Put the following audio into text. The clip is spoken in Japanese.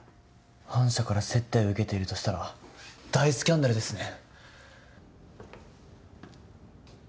反社から接待を受けているとしたら大スキャンダルですね。